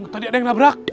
tadi ada yang nabrak